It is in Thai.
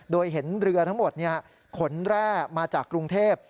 โดยเห็นเรือทั้งหมดขนแร่มาจากกรุงเทพ